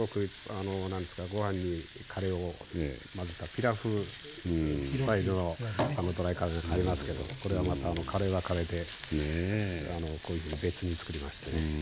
ご飯にカレーを混ぜたピラフスタイルのドライカレーなんかありますけどこれはまたカレーはカレーでこういうふうに別に作りましてね。